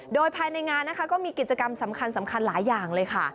โดยภายในงานนะคะก็มีกิจกรรมสำคัญหลายอย่างเลยค่ะ